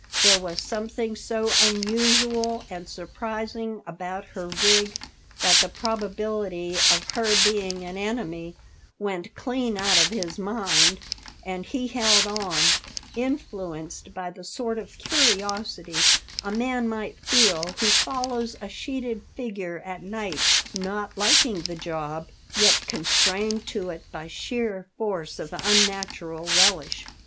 There was something so unusual and sur prising about her rig that the probability of her being an enemy went clean out of his mind, and he held on, influenced by the sort of curiosity a man might feel who follows a sheeted figure at night, not liking the job, yet constrained to it by sheer force of un natural relish.